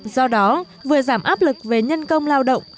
do đó vừa giảm áp lực về nhân công lao động